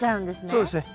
そうですね。